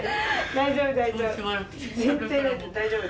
大丈夫大丈夫。